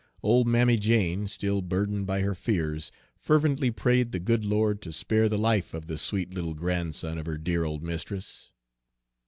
Old Mammy Jane, still burdened by her fears, fervently prayed the good Lord to spare the life of the sweet little grandson of her dear old mistress.